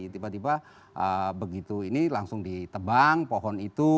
tiba tiba begitu ini langsung ditebang pohon itu